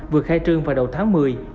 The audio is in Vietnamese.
vừa khai trương vào đầu tháng một mươi